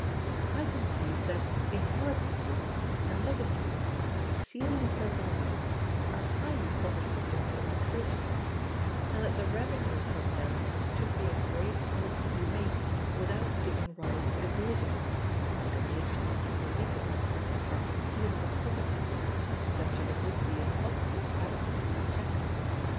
I conceive that inheritances and legacies, exceeding a certain amount, are highly proper subjects for taxation; and that the revenue from them should be as great as it can be made without giving rise to evasions, by donation inter vivos or concealment of property, such as it would be impossible adequately to check.